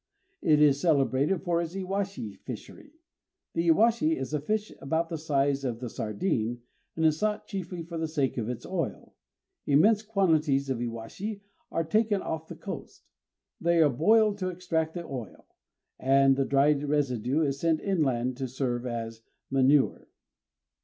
It is celebrated for its iwashi fishery. The iwashi is a fish about the size of the sardine, and is sought chiefly for the sake of its oil. Immense quantities of iwashi are taken off the coast. They are boiled to extract the oil; and the dried residue is sent inland to serve as manure.